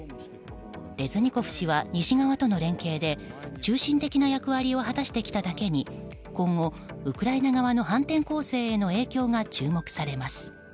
レズニコフ氏は西側との連携で中心的な役割を果たしてきただけに今後、ウクライナ側の反転攻勢への影響が注目されます。